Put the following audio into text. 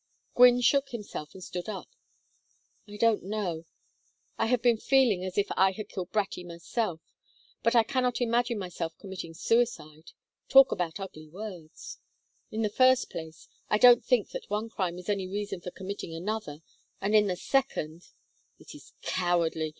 Gwynne shook himself and stood up. "I don't know. I have been feeling as if I had killed Bratty myself. But I cannot imagine myself committing suicide talk about ugly words! In the first place I don't think that one crime is any reason for committing another, and in the second " "It is cowardly!